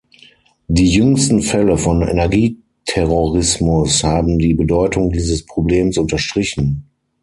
Die jüngsten Fälle von Energieterrorismus haben die Bedeutung dieses Problems unterstrichen.